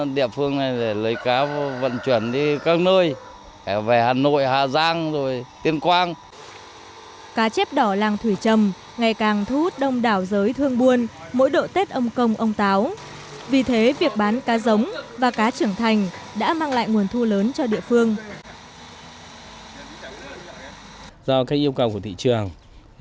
để phục vụ cho lễ cúng ông công ông táo cũng như phát triển cá cảnh